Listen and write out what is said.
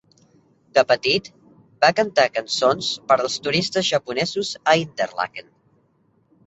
De petit, va cantar cançons per als turistes japonesos a Interlaken.